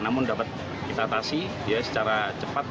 namun dapat kita atasi secara jelas dan berhasil menangkap mereka